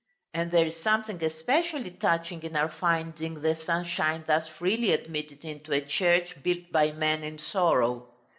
And there is something especially touching in our finding the sunshine thus freely admitted into a church built by men in sorrow.